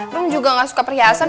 orang juga gak suka perhiasan